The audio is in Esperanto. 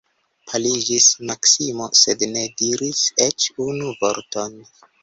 Paliĝis Maksimo, sed ne diris eĉ unu vorton.